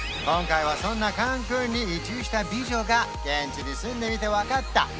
今回はそんなカンクンに移住した美女が現地に住んでみて分かった